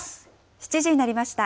７時になりました。